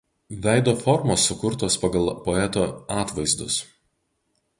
Veido formos sukurtos pagal poeto atvaizdus.